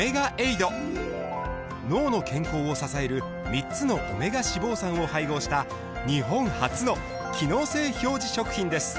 脳の健康を支える３つのオメガ脂肪酸を配合した日本初の機能性表示食品です